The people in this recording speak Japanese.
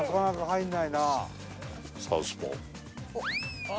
サウスポー。